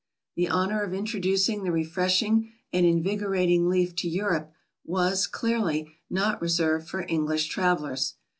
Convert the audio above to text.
The honour of introducing the refreshing and invigorating leaf to Europe was, clearly, not reserved for English travellers.